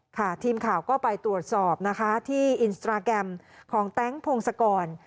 ทีมข่าวก็ไปตรวจสอบนะคะที่อินสตราแกรมของแต๊งพงศกร